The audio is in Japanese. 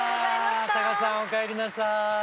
佐賀さんおかえりなさい。